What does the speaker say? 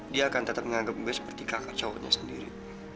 dia akan tetap menganggap dia seperti kakak cowoknya sendiri